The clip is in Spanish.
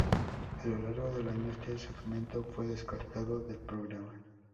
A lo largo del año, este segmento fue descartado del programa.